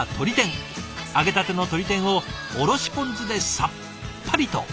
揚げたての鶏天をおろしポン酢でさっぱりと。